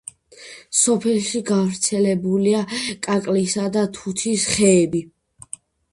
სოფელში გავრცელებულია კაკლისა და თუთის ხეები.